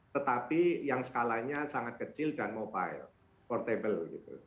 tetapi yang skalanya sangat kecil dan mobile portable